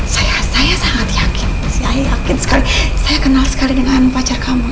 saya saya sangat yakin saya yakin sekali saya kenal sekali dengan pacar kamu